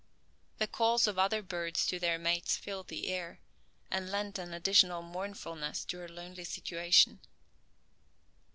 The calls of other birds to their mates filled the air, and lent an additional mournfulness to her lonely situation.